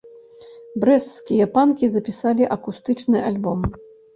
Брэсцкія панкі запісалі акустычны альбом.